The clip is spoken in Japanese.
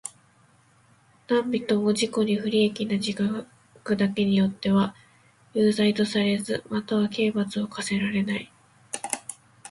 何人（なんびと）も自己に不利益な自白だけによっては有罪とされず、または刑罰を科せられない。